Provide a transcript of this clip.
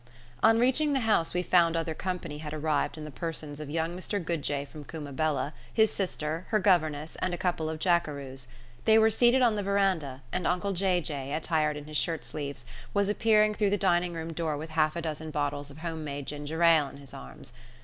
On reaching the house we found other company had arrived in the persons of young Mr Goodjay from Cummabella, his sister, her governess, and a couple of jackeroos. They were seated on the veranda, and uncle Jay Jay, attired in his shirt sleeves, was appearing through the dining room door with half a dozen bottles of home made ginger ale in his arms.